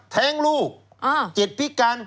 แท้งลูกเจ็บพิการ